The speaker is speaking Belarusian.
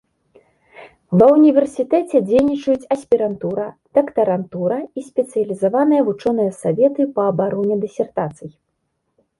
Ва ўніверсітэце дзейнічаюць аспірантура, дактарантура і спецыялізаваныя вучоныя саветы па абароне дысертацый.